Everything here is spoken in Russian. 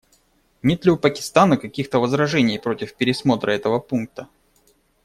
Нет ли у Пакистана каких-то возражений против пересмотра этого пункта?